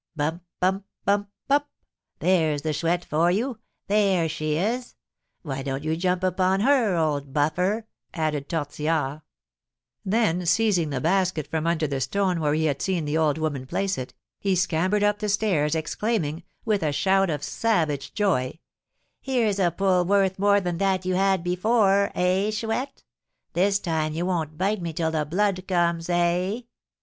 "Bump, bump, bump, bump! There's the Chouette for you there she is! Why don't you jump upon her, old buffer?" added Tortillard. Then, seizing the basket from under the stone where he had seen the old woman place it, he scampered up the stairs, exclaiming, with a shout of savage joy: "Here's a pull worth more than that you had before, eh, Chouette? This time you won't bite me till the blood comes, eh?